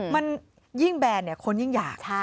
มันยิ่งแบนคนยิ่งอยาก